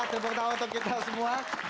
tepuk tangan untuk kita semua